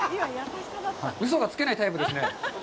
うそがつけないタイプですね。